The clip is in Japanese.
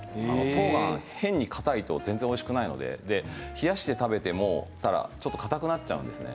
とうがんは変に硬いと全然おいしくないので冷やして食べてもちょっとかたくなっちゃうんですね。